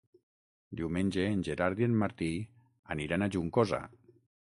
Diumenge en Gerard i en Martí aniran a Juncosa.